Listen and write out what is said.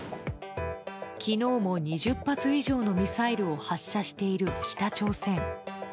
昨日も２０発以上のミサイルを発射している北朝鮮。